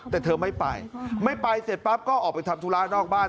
แต่เธอไม่ไปไม่ไปเสร็จปั๊บก็ออกไปทำธุระนอกบ้าน